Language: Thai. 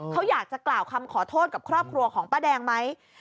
เขาอยากจะกล่าวคำขอโทษกับครอบครัวของป้าแดงไหม